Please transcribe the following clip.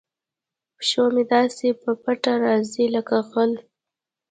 پیشو مې داسې په پټه راځي لکه غل.